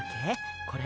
これ。